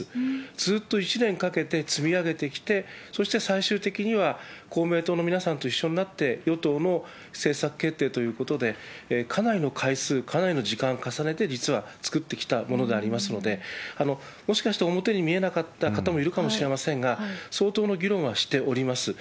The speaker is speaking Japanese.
ずっと１年かけて積み上げてきて、そして最終的には、公明党の皆さんと一緒になって、与党の政策決定ということで、かなりの回数、かなりの時間重ねて、実は作ってきたものでありますので、もしかして表に見えなかった方もいるかもしれませんが、相当の議論はしております。